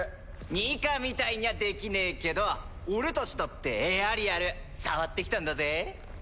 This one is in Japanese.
ニカみたいにゃできねぇけど俺たちだってエアリアル触ってきたんだぜ。